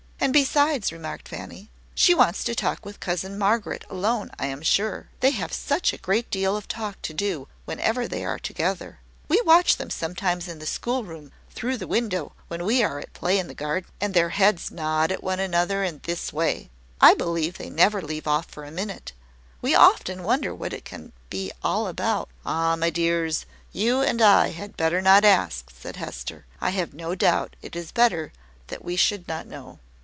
"And, besides," remarked Fanny, "she wants to talk with cousin Margaret alone, I am sure. They have such a great deal of talk to do whenever they are together! We watch them sometimes in the schoolroom, through the window, when we are at play in the garden; and their heads nod at one another in this way. I believe they never leave off for a minute. We often wonder what it can be all about." "Ah, my dears, you and I had better not ask," said Hester. "I have no doubt it is better that we should not know."